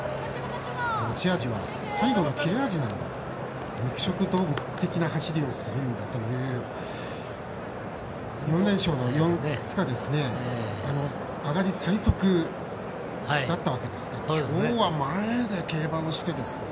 持ち味は最後の切れ味なんだと肉食動物的な走りをするんだという４連勝の上がり最速だったわけですが今日は前で競馬をして。